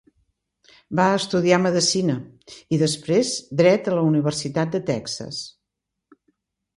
Va estudiar medicina, i després dret a la Universitat de Texas.